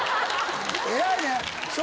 偉いね。